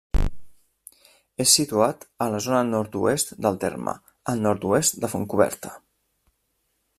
És situat a la zona nord-oest del terme, al nord-oest de Fontcoberta.